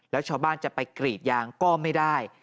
แล้วชาวบ้านจะไปกรีดยางก็ไม่ได้